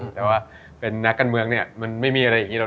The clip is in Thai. แต่ว่าเป็นนักการเมืองเนี่ยมันไม่มีอะไรอย่างนี้หรอก